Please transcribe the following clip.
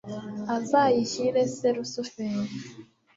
azayishyire se lusuferi